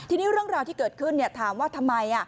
ทีนี้เรื่องราวที่เกิดขึ้นถามว่าทำไม